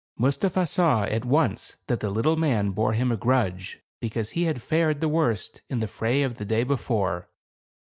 Mustapha saw, at once, that the little man bore him a grudge, because he had fared the worst in the fray of the day before.